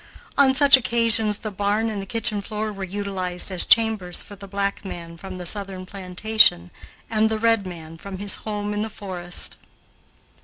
On such occasions the barn and the kitchen floor were utilized as chambers for the black man from the southern plantation and the red man from his home in the forest.